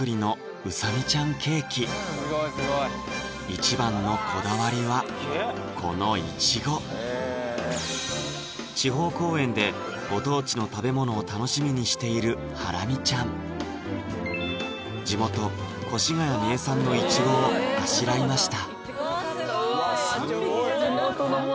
一番のこだわりはこのいちご地方公演でご当地の食べ物を楽しみにしているハラミちゃん地元・越谷名産のいちごをあしらいました